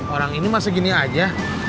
orang ini masih gini aja